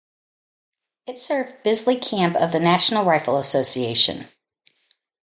It served Bisley Camp of the National Rifle Association.